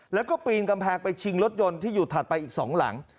แล้วก็ปีนกำแพงไปชิงรถยนต์ที่อยู่ถัดไปอีก๒หลัง